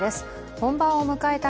本番を迎えた